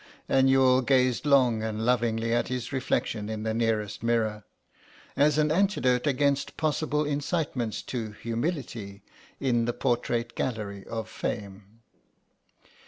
And Youghal gazed long and lovingly at his reflection in the nearest mirror, as an antidote against possible incitements to humility in the portrait gallery of fame.